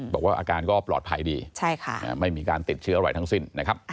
บอกว่าอาการก็ปลอดภัยดีไม่มีการติดเชื้ออะไรทั้งสิ้นนะครับ